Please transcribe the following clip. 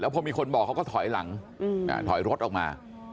พอมีคนบอกเขาก็ถอยหลังถอยรถออกมา